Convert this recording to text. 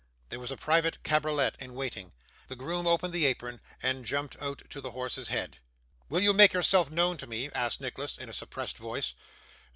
There was a private cabriolet in waiting; the groom opened the apron, and jumped out to the horse's head. 'Will you make yourself known to me?' asked Nicholas in a suppressed voice.